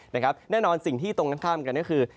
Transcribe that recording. แน่นอนสิ่งที่ตรงข้ามกันก็คือ